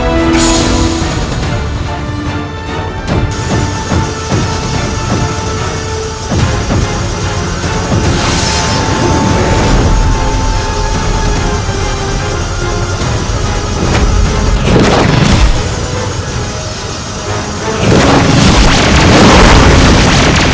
assalamu'alaikum warang sagit